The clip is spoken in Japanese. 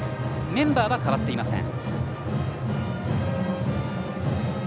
メンバーは代わっていません。